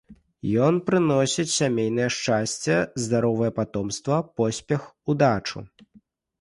Ён прыносіць сямейнае шчасце, здаровае патомства, поспех, удачу.